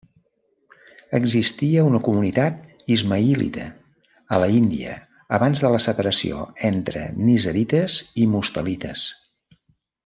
Existia una comunitat ismaïlita a l'Índia abans de la separació entre nizarites i mustalites.